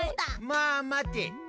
まあまて。